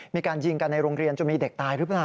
มีการยิงกันในโรงเรียนจนมีเด็กตายหรือเปล่า